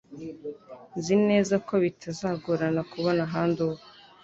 Nzi neza ko bitazagorana kubona ahandi uba